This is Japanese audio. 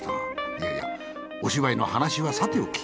いやいやお芝居の話はさておき。